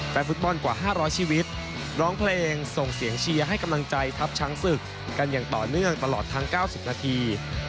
แฟนฟุตบอลกว่า๕๐๐ชีวิตร้องเพลงส่งเสียงเชียร์ให้กำลังใจทัพช้างศึกกันอย่างต่อเนื่องตลอดทั้ง๙๐นาที